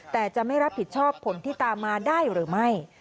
แต่จะไม่รับผิดชอบผลที่ตามมาได้หรือไม่